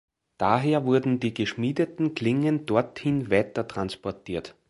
Daher wurden die geschmiedeten Klingen dorthin weitertransportiert.